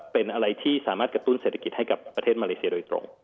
เป็นอะไรที่สามารถกระตุ้นเศรษฐกิจให้กับประเทศมาเลเซียโดยตรง